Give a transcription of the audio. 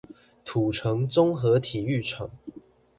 土城綜合體育場